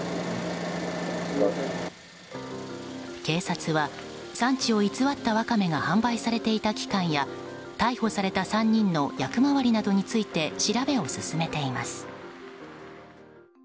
警察は、産地を偽ったワカメが販売されていた期間や逮捕された３人の役回りなどについて調べを進めています。